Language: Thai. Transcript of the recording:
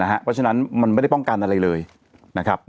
เพราะฉะนั้นมันไม่ได้ป้องกันอะไรเลยนะครับ